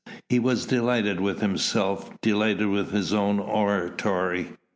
He was delighted with himself, delighted with his own oratory.